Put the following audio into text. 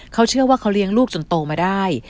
เขาเชื่อว่าเขาเลี้ยงลูกจนโตมาได้